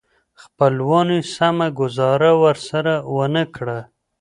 خپلوانو یې سمه ګوزاره ورسره ونه کړه.